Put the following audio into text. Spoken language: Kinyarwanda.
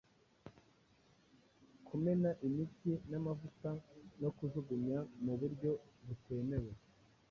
kumena imiti n’amavuta, no kujugunya mu buryo butemewe.